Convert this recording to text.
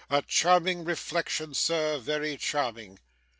A charming reflection sir, very charming!